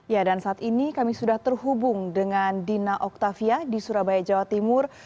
ya dan saat ini kami sudah terhubung dengan dina oktavia di surabaya jawa timur